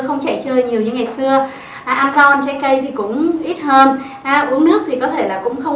không trẻ chơi nhiều như ngày xưa ăn ngon trái cây thì cũng ít hơn uống nước thì có thể là cũng không